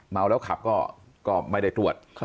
เมาแล้วขับก็ไม่ได้ตรวจ